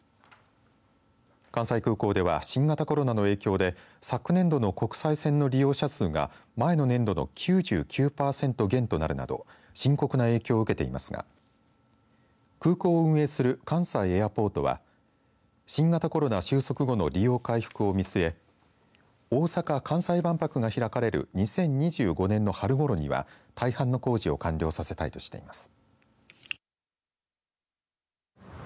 関西空港では新型コロナの影響で昨年度の国際線の利用者数が前の年度の９９パーセント減となるなど深刻な影響を受けていますが空港を運営する関西エアポートは新型コロナ収束後の利用回復を見据え大阪・関西万博が開かれる２０２５年の春ごろには大半の工場を完了させたいとしています。